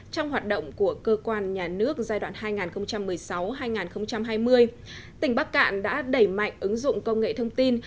trong hoạt động của cơ quan nhà nước giai đoạn hai nghìn một mươi sáu hai nghìn hai mươi tỉnh bắc cạn đã đẩy mạnh ứng dụng công nghệ thông tin